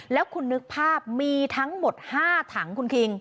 แล้วคุณนึกภาพมีทั้งหมด๕ถังคุณคิง